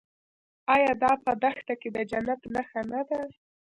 آیا دا په دښته کې د جنت نښه نه ده؟